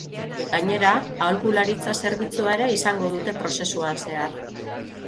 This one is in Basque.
Gainera, aholkularitza zerbitzua ere izango dute prozesuan zehar.